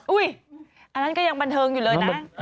อันนั้นก็ยังบันเทิงอยู่เลยนะ